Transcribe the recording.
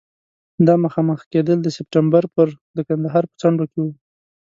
دا مخامخ کېدل د سپټمبر پر د کندهار په څنډو کې وو.